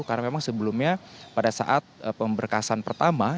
karena memang sebelumnya pada saat pemberkasan pertama